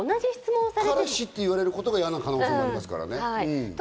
彼氏って言われることが嫌な可能性もありますからね。